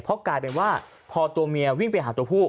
เพราะกลายเป็นว่าพอตัวเมียวิ่งไปหาตัวผู้